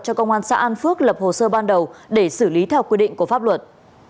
cho công an xã an phước lập hồ sơ ban đầu để xử lý theo quy định của pháp luật